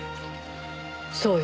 そうよ。